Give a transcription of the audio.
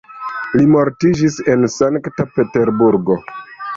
Li mortiĝis en Sankta Peterburgo.